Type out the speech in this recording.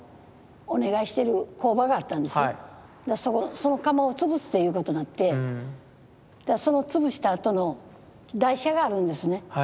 その窯を潰すということなってその潰したあとの台車があるんですね。